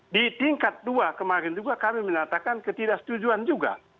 di tingkat dua kemarin juga kami menyatakan ketidaksetujuan juga